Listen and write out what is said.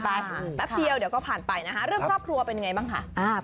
แป๊บเดียวเดี๋ยวก็ผ่านไปนะคะเรื่องครอบครัวเป็นยังไงบ้างคะ